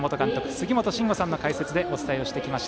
杉本真吾さんの解説でお伝えをしてきました。